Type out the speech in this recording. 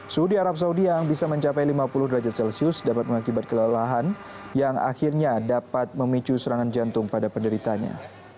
suhu di arab saudi yang bisa mencapai lima puluh derajat celcius dapat mengakibat kelelahan yang akhirnya dapat memicu serangan jantung pada penderitanya